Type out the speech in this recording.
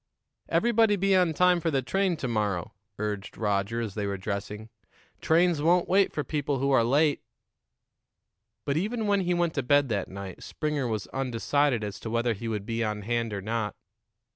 "Everybody be on time for the train to morrow," urged Roger, as they were dressing. "Trains won't wait for people who are late." But even when he went to bed that night Springer was undecided as to whether he would be on hand or not.